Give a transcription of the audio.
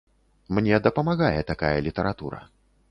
Мне дапамагае такая літаратура.